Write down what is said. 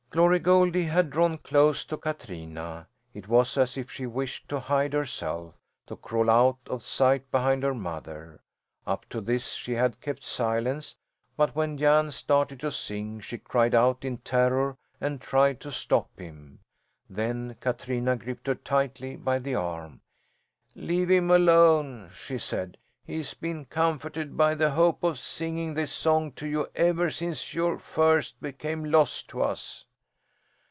Glory Goldie had drawn close to Katrina. It was as if she wished to hide herself, to crawl out of sight behind her mother. Up to this she had kept silence, but when Jan started to sing she cried out in terror and tried to stop him. Then Katrina gripped her tightly by the arm. "Leave him alone!" she said. "He has been comforted by the hope of singing this song to you ever since you first became lost to us."